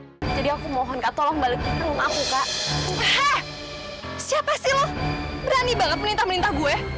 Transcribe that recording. hai jadi aku mohon kak tolong balik rumah aku kak siapa sih lu berani banget minta minta gue